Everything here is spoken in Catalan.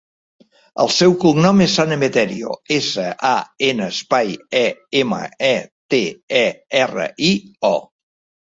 El seu cognom és San Emeterio: essa, a, ena, espai, e, ema, e, te, e, erra, i, o.